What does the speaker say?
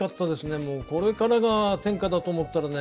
これからが天下だと思ったらね